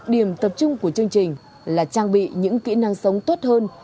điểm tập trung của chương trình là trang bị những kỹ năng sống tốt hơn